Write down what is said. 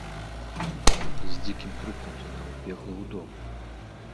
З дзікім крыкам яна ўбегла ў дом.